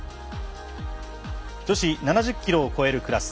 女子７０キロを超えるクラス。